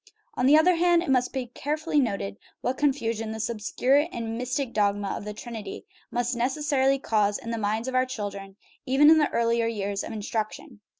On the other hand, it must be carefully noted what confusion this obscure and mystic dogma of the Trinity must necessarily cause in the minds of our children even in the earlier years of instruction.